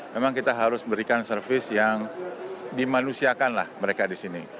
memang kita harus berikan service yang dimanusiakanlah mereka di sini